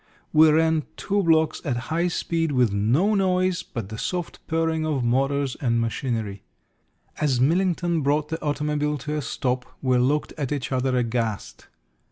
We ran two blocks at high speed, with no noise but the soft purring of motors and machinery. As Millington brought the automobile to a stop we looked at each other aghast.